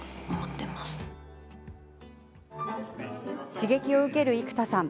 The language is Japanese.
刺激を受ける生田さん